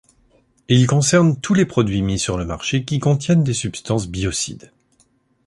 Il concerne tous les produits mis sur le marché qui contiennent des substances biocides.